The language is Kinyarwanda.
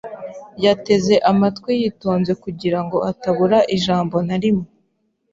Yateze amatwi yitonze kugira ngo atabura ijambo na rimwe.